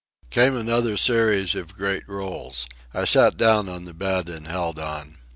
Came another series of great rolls. I sat down on the bed and held on.